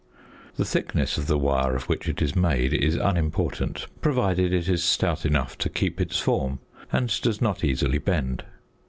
The thickness of the wire of which it is made is unimportant, provided it is stout enough to keep its form and does not easily bend.